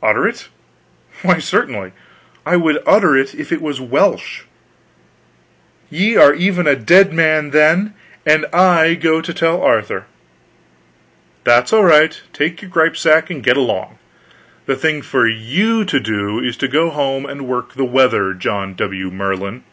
"Utter it? Why certainly. I would utter it if it was Welsh." "Ye are even a dead man, then; and I go to tell Arthur." "That's all right. Take your gripsack and get along. The thing for you to do is to go home and work the weather, John W. Merlin."